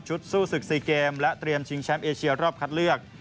สู้ศึก๔เกมและเตรียมชิงแชมป์เอเชียรอบคัดเลือก